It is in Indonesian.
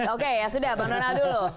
oke ya sudah bang donald dulu